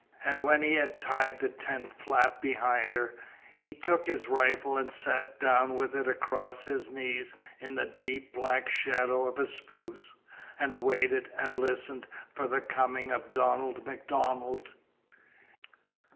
And when he had tied the tent flap behind her, he took his rifle and sat down with it across his knees in the deep black shadow of a spruce, and waited and listened for the coming of Donald MacDonald.